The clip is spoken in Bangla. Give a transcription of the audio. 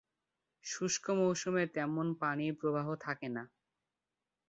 শুষ্ক মৌসুমে তেমন পানির প্রবাহ থাকে না।